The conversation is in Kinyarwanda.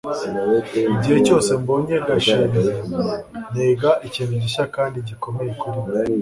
igihe cyose mbonye gashinzi, niga ikintu gishya kandi gikomeye kuri we